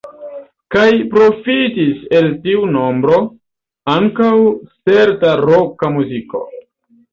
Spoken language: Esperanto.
Kaj profitis el tiu nombro ankaŭ certa roka muziko.